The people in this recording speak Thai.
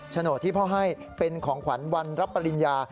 โฉนดที่พ่อให้เป็นของขวัญวันรับปริญญา